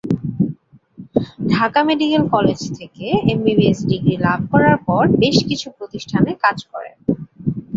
Dhaka medical college থেকে MBBS degree লাভ করার পর বেশ কিছু প্রতিষ্ঠানে কাজ করেন।